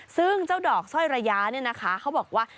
ซึ่งเจ้าดอกสร้อยระยะเนี่ยนะคะเขาบอกว่า